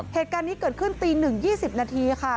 เหตุการณ์นี้เกิดขึ้นตี๑๒๐นาทีค่ะ